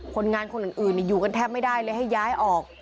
คนงานคนอื่นอยู่กันแทบไม่ได้เลยให้ย้ายออก